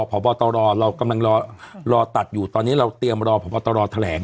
พบตรเรากำลังรอตัดอยู่ตอนนี้เราเตรียมรอพบตรแถลง